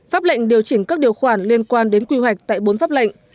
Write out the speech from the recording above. pháp lệnh điều chỉnh các điều khoản liên quan đến quy hoạch tại bốn pháp lệnh